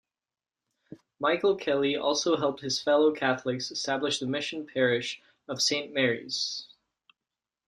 Michael Kelly also helped his fellow Catholics establish the mission parish of Saint Mary's.